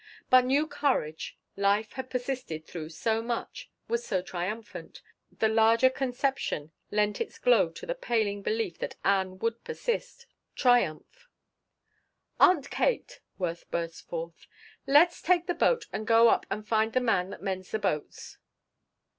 But new courage. Life had persisted through so much, was so triumphant. The larger conception lent its glow to the paling belief that Ann would persist, triumph. "Aunt Kate," Worth burst forth, "let's take the boat and go up and find the man that mends the boats."